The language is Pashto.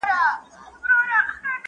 هغې ته وگوره چې څومره ډاډه او غلې ده.